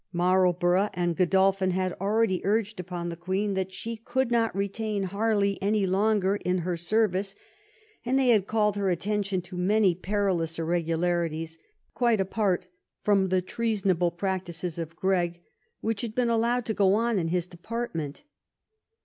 Marlborough and Godolphin had already urged upon the Queen that she could not retain Harley any longer in her service, and they had called her attention to many perilous irregularities, quite apart from the treasonable prac tices of Gre^, which had been allowed to go on in his department.